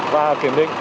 và kiểm định